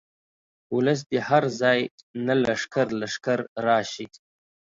اولس دې هر ځاي نه لښکر لښکر راشي.